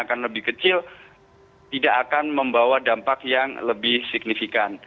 dan juga yang lebih kecil tidak akan membawa dampak yang lebih signifikan